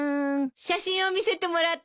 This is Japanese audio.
写真を見せてもらったわ。